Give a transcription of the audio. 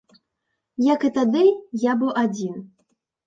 Як і тады, я быў адзін.